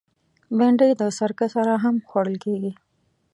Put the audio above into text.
بېنډۍ د سرکه سره هم خوړل کېږي